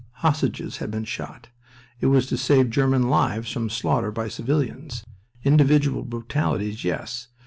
Hostages had been shot. It was to save German lives from slaughter by civilians. Individual brutalities, yes.